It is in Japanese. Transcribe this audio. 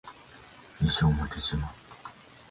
西表島